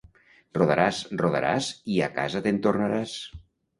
Rodaràs, rodaràs i a casa te'n tornaràs.